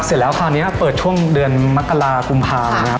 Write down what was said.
เสร็จแล้วคราวนี้เปิดช่วงเดือนมกรากุมภานะครับ